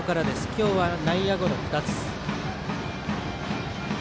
今日は内野ゴロ２つ。